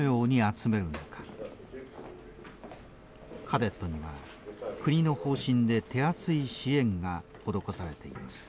カデットには国の方針で手厚い支援が施されています。